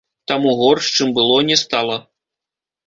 Таму горш, чым было, не стала.